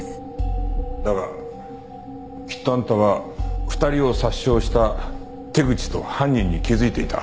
だがきっとあんたは２人を殺傷した手口と犯人に気づいていた。